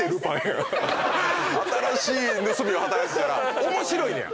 新しい盗みを働くから面白いんや。